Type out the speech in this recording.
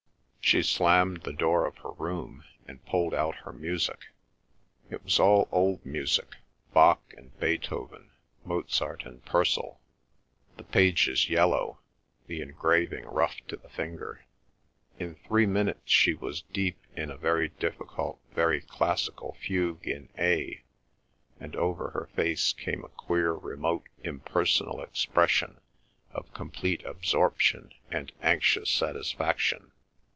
She slammed the door of her room, and pulled out her music. It was all old music—Bach and Beethoven, Mozart and Purcell—the pages yellow, the engraving rough to the finger. In three minutes she was deep in a very difficult, very classical fugue in A, and over her face came a queer remote impersonal expression of complete absorption and anxious satisfaction.